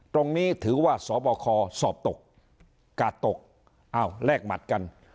ตรงนี้ถือว่าสบคสอบตกกาดตกอ้าวแลกหมัดกัน